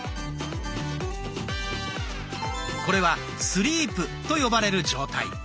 これは「スリープ」と呼ばれる状態。